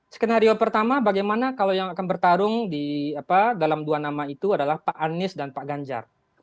skenario pertama bagaimana kalau yang akan bertarung dalam dua nama itu adalah pak anies dan pak ganjar